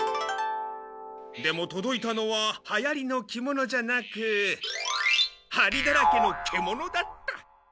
でもとどいたのははやりの着物じゃなくはりだらけのけものだった。